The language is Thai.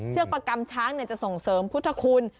ประกำช้างจะส่งเสริมพุทธคุณ